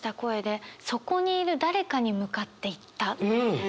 うん。